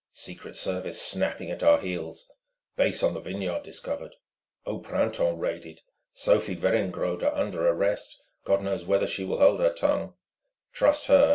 Secret Service snapping at our heels ...""... base on the Vineyard discovered ...""... Au Printemps raided, Sophie Weringrode under arrest. God knows whether she will hold her tongue!" "_Trust her!